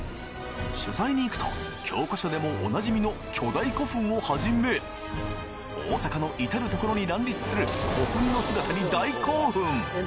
取材に行くと教科書でもおなじみの巨大古墳をはじめ大阪の至る所に乱立する古墳の姿に大興奮！